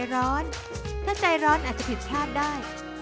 ร้อนถ้าใจร้อนอาจจะผิดพลาดได้